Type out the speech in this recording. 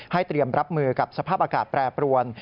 เตรียมรับมือกับสภาพอากาศแปรปรวน